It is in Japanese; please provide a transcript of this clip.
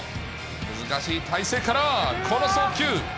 難しい体勢から、この送球。